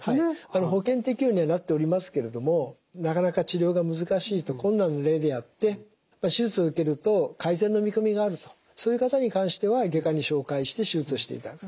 保険適用にはなっておりますけれどもなかなか治療が難しいと困難の上でやって手術受けると改善の見込みがあるとそういう方に関しては外科に紹介して手術をしていただく。